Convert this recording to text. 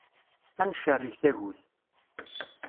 Ad ncerreg tagut.